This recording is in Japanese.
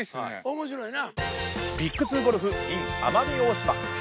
面白いな。